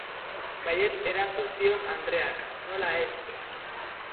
Baietz erantzun zion andreak, nola ez.